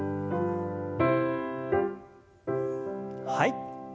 はい。